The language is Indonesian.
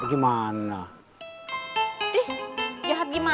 kalo si neneknya orang jahat gimana